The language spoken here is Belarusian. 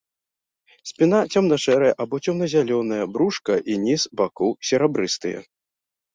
Спіна цёмна-шэрая або цёмна-зялёная, брушка і ніз бакоў серабрыстыя.